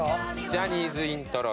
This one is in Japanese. ジャニーズイントロＱ！